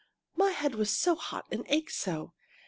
My head was so hot and ached so.